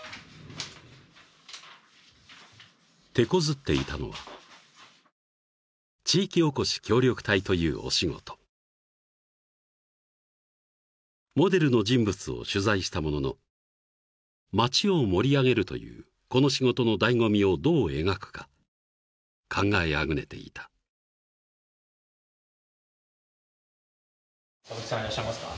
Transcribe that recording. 手こずっていたのは地域おこし協力隊というお仕事モデルの人物を取材したものの街を盛り上げるというこの仕事の醍醐味をどう描くか考えあぐねていた佐々木さんいらっしゃいますか？